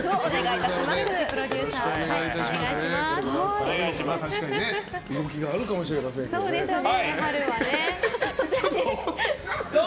確かにね動きがあるかもしれませんね。